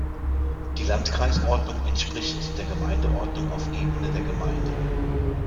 Die Landkreisordnung entspricht der Gemeindeordnung auf Ebene der Gemeinden.